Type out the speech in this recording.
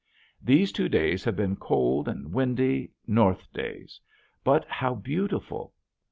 These two days have been cold and windy, north days, but how beautiful!